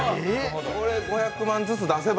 これ５００万円ずつ出せば。